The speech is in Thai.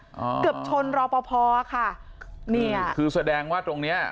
เกือบชนรอปภค่ะเนี่ยคือแสดงว่าตรงเนี้ย